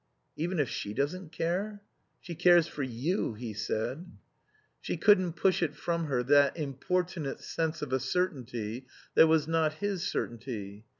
"Even if she doesn't care?" "She cares for you," he said. She couldn't push it from her, that importunate sense of a certainty that was not his certainty.